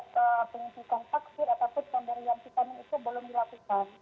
tetapi ada penyusukan takdir ataupun kondensasi yang kita mencoba belum dilakukan